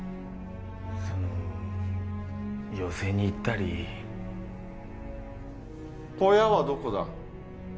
その寄席に行ったり・小屋はどこだ？